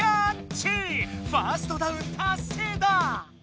ファーストダウンたっせいだ！